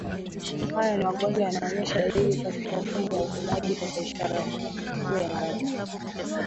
Haya ni magonjwa yanayoonesha dalili katika mfumo wa upumuaji kama ishara kuu ya maradhi